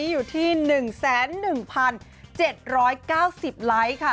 อยู่ที่๑๑๗๙๐ไลค์ค่ะ